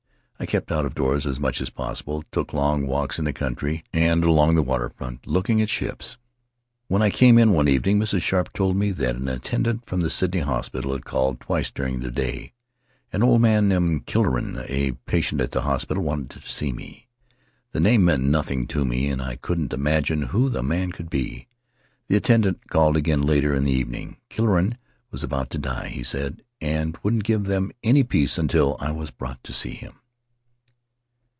I kept out of doors as much as possible, took long walks in the country and along the waterfront looking at ships. When I came in one evening Mrs. Sharpe told me that an attendant from the Sydney hospital had called twice during the day. An old man named Killorain, a patient at the hospital, wanted to see me. The name meant nothing to me and I couldn't imagine who the man could be. The attendant called again later in the evening. Killorain was about to die, he said, and wouldn't give them any peace until I was brought to see him.